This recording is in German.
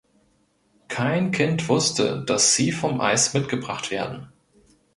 Kein Kind wusste, dass sie vom Eis mitgebracht werden.